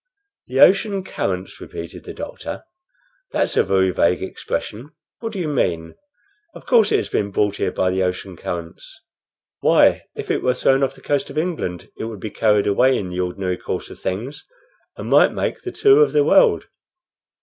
"The ocean currents!" repeated the doctor. "That's a very vague expression. What do you mean? Of course it has been brought here by the ocean currents." "Why, if it were thrown off the coast of England it would be carried away, in the ordinary course of things, and might make the tour of the world."